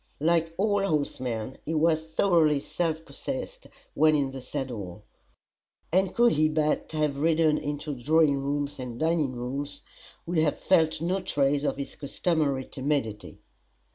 Like all horsemen, he was thoroughly self possessed when in the saddle; and could he but have ridden into drawing rooms and dining rooms, would have felt no trace of his customary timidity.